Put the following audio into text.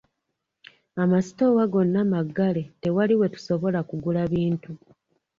Amasitoowa gonna maggale tewali we tusobola kugula bintu.